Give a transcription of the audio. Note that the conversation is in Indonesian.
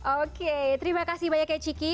oke terima kasih banyak ya ciki